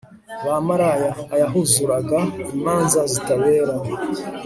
bamaraya, ayahuzuraga imanza zitabera